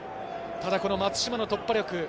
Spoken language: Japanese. ただこの松島の突破力。